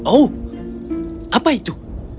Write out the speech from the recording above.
oh apa itu